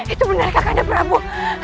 itu benar kakinda prabu